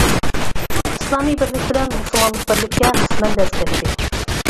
ئىسلامىي بىرلىك بىلەن مۇسۇلمانلىق بىرلىككە قىسمەن دەز كەتتى.